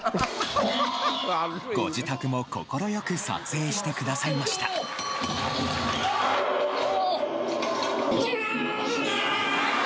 ご自宅も快く撮影してくださいましたあ！！